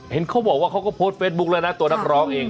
เห็นเขาบอกว่าเขาก็โพสต์เฟซบุ๊คแล้วนะตัวนักร้องเอง